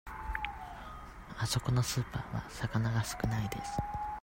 あそこのスーパーは魚が少ないです。